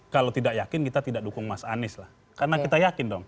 kalau tidak yakin kita tidak dukung mas anies lah karena kita yakin dong